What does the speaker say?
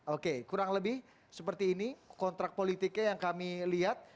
oke kurang lebih seperti ini kontrak politiknya yang kami lihat